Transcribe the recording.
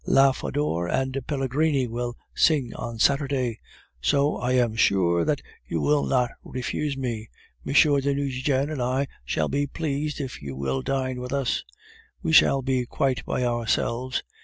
La Fodor and Pellegrini will sing on Saturday, so I am sure that you will not refuse me. M. de Nucingen and I shall be pleased if you will dine with us; we shall be quite by ourselves.